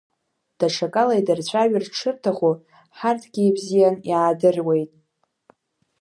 Даҽакала идырцәажәарц шырҭаху ҳарҭгьы ибзианы иаадыруеит.